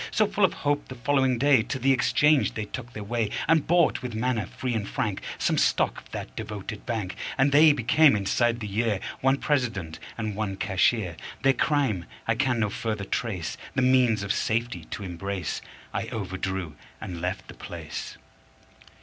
So, full of hope, the following day To the exchange they took their way And bought, with manner free and frank, Some stock of that devoted bank; And they became, inside the year, One President and one Cashier. Their crime I can no further trace The means of safety to embrace, I overdrew and left the place.